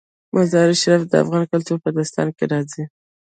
مزارشریف د افغان کلتور په داستانونو کې راځي.